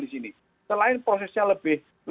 di sini selain prosesnya lebih